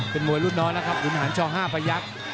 เป็นมวยรุ่นน้อยนะครับหุ่นหาช่อ๕ประยักษณ์